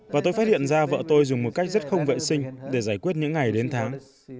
và tôi phát hiện ra vợ tôi dùng một cách rất không vệ sinh để giải quyết những ngày đến tháng